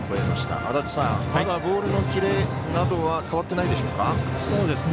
まだボールのキレなどは変わっていないでしょうか？